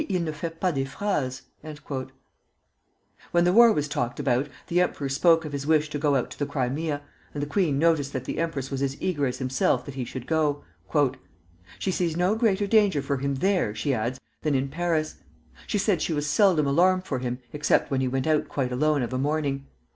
Et il ne fait pas des phrases." When the war was talked about, the emperor spoke of his wish to go out to the Crimea, and the queen noticed that the empress was as eager as himself that he should go. "She sees no greater danger for him there," she adds, "than in Paris. She said she was seldom alarmed for him except when he went out quite alone of a morning....